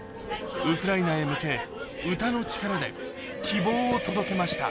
ウクライナへ向け、歌の力で希望を届けました。